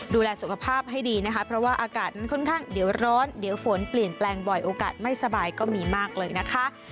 ดูแลสุขภาพให้ดีนะคะเพราะว่าอากาศนั้นค่อนข้างเดี๋ยวร้อนเดี๋ยวฝนเปลี่ยนแปลงบ่อยโอกาสไม่สบายก็มีมากเลยนะคะ